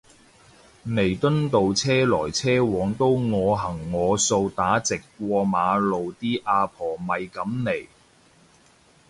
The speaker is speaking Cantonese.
彌敦道車來車往都我行我素打直過馬路啲阿婆咪噉嚟